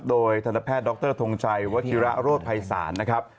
โดยทันแพทย์ดรทงชัยวชิระโรธภัยศาลนะครับ